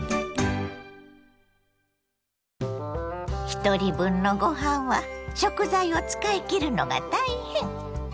ひとり分のごはんは食材を使い切るのが大変。